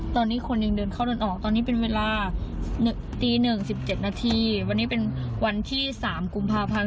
ตอนนี้คนยังเดินเข้าเดินออกตอนนี้เป็นเวลาตี๑๑๗นาทีวันนี้เป็นวันที่๓กุมภาพันธ์